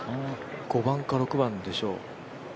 ５番か６番でしょう。